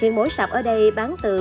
hiện mỗi sạp ở đây bán từ